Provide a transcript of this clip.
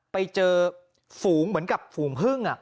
ไปเจอฝูงเหมือนกับฝูงพึ่ง